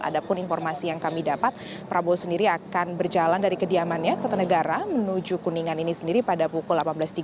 ada pun informasi yang kami dapat prabowo sendiri akan berjalan dari kediamannya kertanegara menuju kuningan ini sendiri pada pukul delapan belas tiga puluh